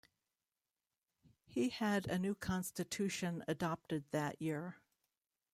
He had a new constitution adopted that year.